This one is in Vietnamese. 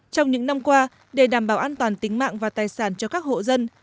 trong những năm qua để đảm bảo an toàn tính mạng và tài sản cho các hộ dân